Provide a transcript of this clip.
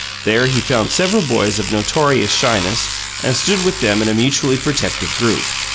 There he found several boys of notorious shyness, and stood with them in a mutually protective group.